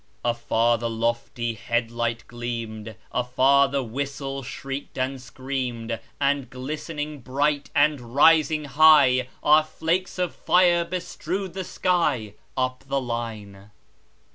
Afar the lofty head light gleamed; Afar the whistle shrieked and screamed; And glistening bright, and rising high, Our flakes of fire bestrewed the sky, Up the line.